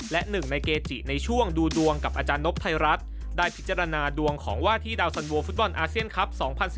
และหนึ่งในเกจิในช่วงดูดวงกับอาจารย์นพไทยรัฐได้พิจารณาดวงของว่าที่ดาวสันโวฟุตบอลอาเซียนครับ๒๐๑๙